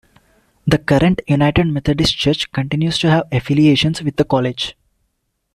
The current United Methodist Church continues to have affiliations with the college.